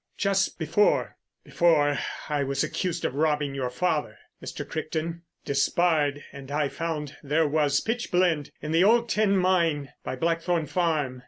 "Just before—before I was accused of robbing your father, Mr. Crichton, Despard and I found there was pitch blende in the old tin mine by Blackthorn Farm.